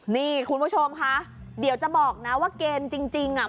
นี่คุณผู้ชมคะเดี๋ยวจะบอกนะว่าเกณฑ์จริงอ่ะ